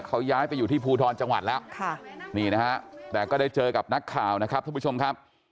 เขาย้ายไปอยู่ที่ภูทรจังหวัดแล้วนี่นะฮะแต่ก็ได้เจอกับนักข่าวนะครับท่านผู้ชมครับ